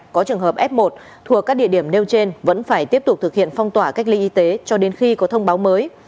có trường hợp f một thuộc các địa điểm nêu trên vẫn phải tiếp tục thực hiện phong tỏa cách ly y tế cho đến khi có thông báo mới